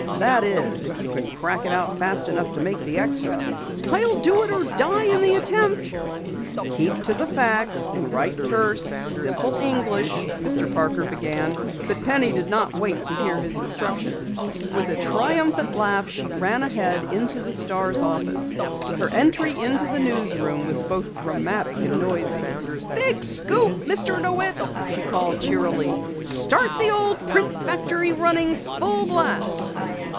"That is, if you can crack it out fast enough to make the extra." "I'll do it or die in the attempt." "Keep to the facts and write terse, simple English " Mr. Parker began, but Penny did not wait to hear his instructions. With a triumphant laugh, she ran ahead into the Star office. Her entry into the newsroom was both dramatic and noisy. "Big scoop, Mr. DeWitt," she called cheerily. "Start the old print factory running full blast!"